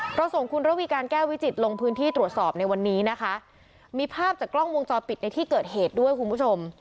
ส่งคุณระวีการแก้ววิจิตรลงพื้นที่ตรวจสอบในวันนี้นะคะมีภาพจากกล้องวงจรปิดในที่เกิดเหตุด้วยคุณผู้ชม